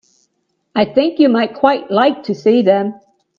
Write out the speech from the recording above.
I think you might quite like to see them.